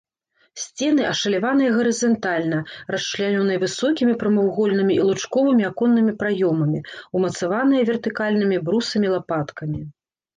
Сцены ашаляваныя гарызантальна, расчлянёныя высокімі прамавугольнымі і лучковымі аконнымі праёмамі, умацаваныя вертыкальнымі брусамі-лапаткамі.